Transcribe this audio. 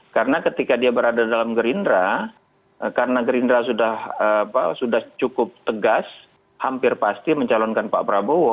karena ketika dia berada dalam gerindra karena gerindra sudah cukup tegas hampir pasti mencalonkan pak prabowo